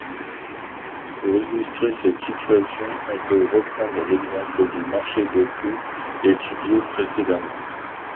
Pour illustrer cette situation, on peut reprendre l'exemple du marché de clous étudié précédemment.